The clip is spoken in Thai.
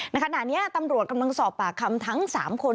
ขณะนี้ตำรวจกำลังสอบปากคำทั้ง๓คน